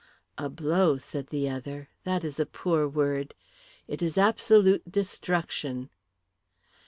"A blow," said the other. "That is a poor word. It is absolute destruction."